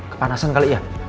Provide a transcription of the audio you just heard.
kepanasan kali ya